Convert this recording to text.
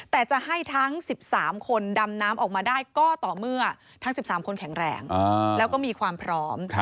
แต่จะให้ทั้ง๑๓คนดำน้ำออกมาได้ก็ต่อเมื่อทั้ง๑๓คนแข็งแรงแล้วก็มีความพร้อม